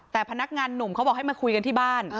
แต่พนักงานหนุ่มเขาบอกให้มาคุยกันที่บ้าน